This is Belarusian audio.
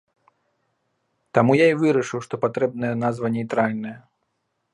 Таму я і вырашыў, што патрэбная назва нейтральная.